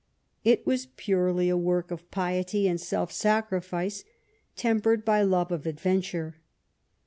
It was purely a work of pict}^ and self sacrifice, tempered by love of adventure.